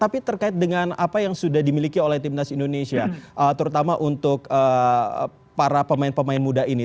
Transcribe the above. tapi terkait dengan apa yang sudah dimiliki oleh timnas indonesia terutama untuk para pemain pemain muda ini